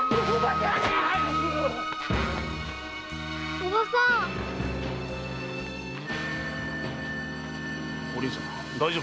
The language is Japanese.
おばさん！お凛さん大丈夫か？